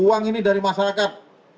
uang ini dari masyarakat